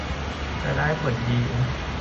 จะได้ผลดี